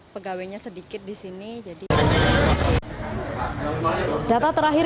pegawainya sedikit di sini